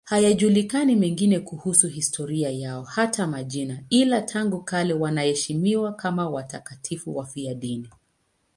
Hayajulikani mengine kuhusu historia yao, hata majina, ila tangu kale wanaheshimiwa kama watakatifu wafiadini.